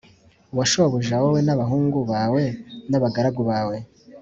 wa shobuja Wowe n abahungu bawe n abagaragu bawe